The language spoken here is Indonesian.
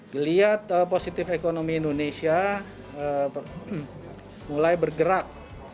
geliat positif ekonomi indonesia mulai bergerak